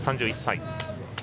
３１歳。